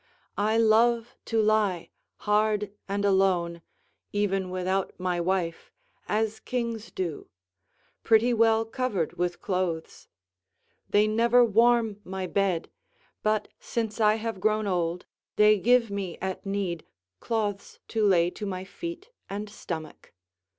I love to lie hard and alone, even without my wife, as kings do; pretty well covered with clothes. They never warm my bed, but since I have grown old they give me at need cloths to lay to my feet and stomach.